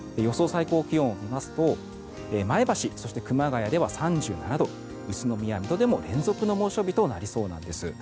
最高気温を見ますと前橋、そして熊谷では３７度宇都宮、水戸でも連続の猛暑日となりそうなんです。